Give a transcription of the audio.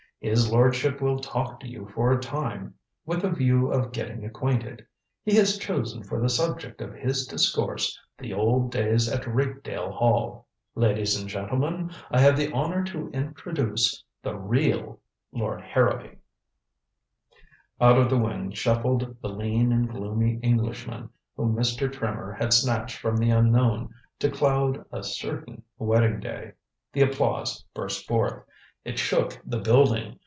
His lordship will talk to you for a time with a view to getting acquainted. He has chosen for the subject of his discourse The Old Days at Rakedale Hall. Ladies and gentlemen, I have the honor to introduce the real Lord Harrowby." Out of the wings shuffled the lean and gloomy Englishman whom Mr. Trimmer had snatched from the unknown to cloud a certain wedding day. The applause burst forth. It shook the building.